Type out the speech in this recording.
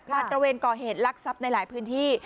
ตระเวนก่อเหตุลักษัพในหลายพื้นที่